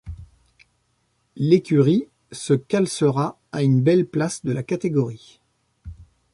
L'écurie se callsera à une belle place de la catégorie.